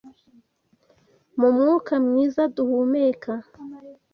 mu mwuka mwiza duhumeka